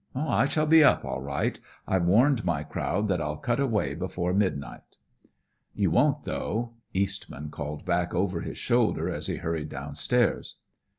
"I shall be up, all right. I've warned my crowd that I'll cut away before midnight." "You won't, though," Eastman called back over his shoulder as he hurried down stairs.